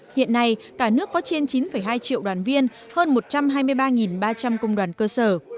hiện nay cả nước có trên chín hai triệu đoàn viên hơn một trăm hai mươi ba ba trăm linh công đoàn cơ sở